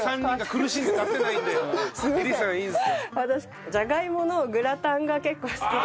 私じゃがいものグラタンが結構好きで。